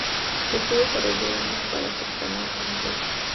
Rodriguez desarrolló una para su canal El Rey.